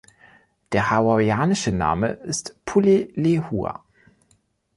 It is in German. Der hawaiianische Name ist Pulelehua.